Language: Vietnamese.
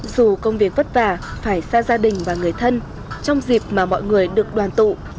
dù công việc vất vả phải xa gia đình và người thân trong dịp mà mọi người được đoàn tụ